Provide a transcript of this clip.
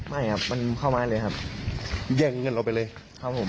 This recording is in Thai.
ไม่ครับมันเข้ามาเลยครับแย่งเงินเราไปเลยครับผม